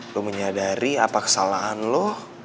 lu menyadari apa kesalahan lu